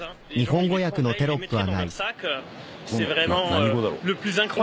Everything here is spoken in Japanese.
何語だろう？